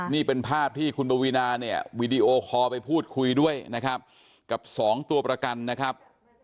นี่เป็นภาพที่คุณปวีนาเนี่ยวีดีโอคอลไปพูดคุยด้วยนะครับกับสองตัวประกันนะครับ